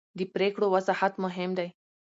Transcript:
د پرېکړو وضاحت مهم دی